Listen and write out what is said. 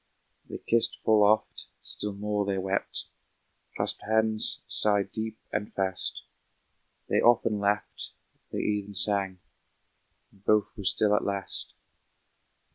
They kissed full oft, still more they wept, Clasped hands, sighed deep and fast; They often laughed, they even sang, And both were still at last.